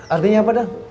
artinya apa dah